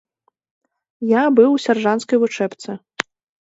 Я быў у сяржанцкай вучэбцы.